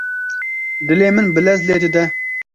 Dilê min bi lez lê dide.